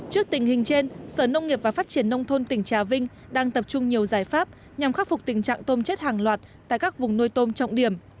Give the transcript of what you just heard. trước tình hình trên sở nông nghiệp và phát triển nông thôn tỉnh trà vinh đang tập trung nhiều giải pháp nhằm khắc phục tình trạng tôm chết hàng loạt tại các vùng nuôi tôm trọng điểm